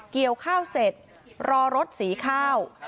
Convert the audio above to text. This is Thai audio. เกี่ยวข้าวเสร็จรอรถสีข้าว